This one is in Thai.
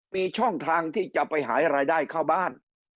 มีช่องทางที่จะไปหารายได้เข้าบ้าน